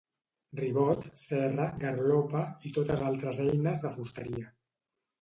Ribot, serra, garlopa i totes altres eines de fusteria.